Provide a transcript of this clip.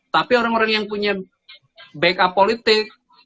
tapi orang orang yang punya backup politik